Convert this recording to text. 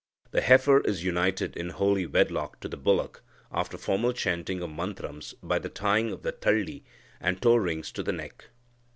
The heifer is united in holy wedlock to the bullock, after formal chanting of mantrams, by the tying of the tali and toe rings to the neck.